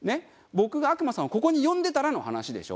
僕が悪魔さんをここに呼んでたらの話でしょ？